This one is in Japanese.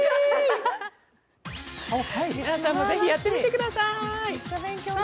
皆さんも、ぜひやってみてくださーい。